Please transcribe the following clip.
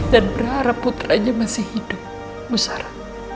berharap putranya masih hidup musara